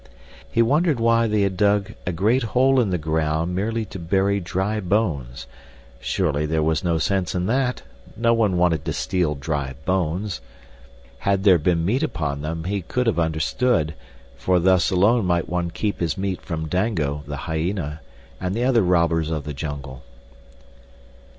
He wondered why they had dug a great hole in the ground merely to bury dry bones. Surely there was no sense in that; no one wanted to steal dry bones. Had there been meat upon them he could have understood, for thus alone might one keep his meat from Dango, the hyena, and the other robbers of the jungle.